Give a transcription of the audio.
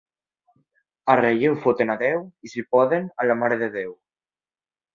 A Relleu foten a Déu i, si poden, a la Mare de Déu.